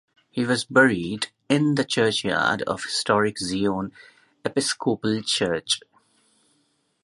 He was buried in the churchyard of historic Zion Episcopal Church.